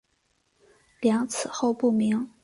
梁以后不明。